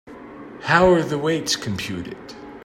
How are the weights computed?